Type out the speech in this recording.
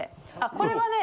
これはね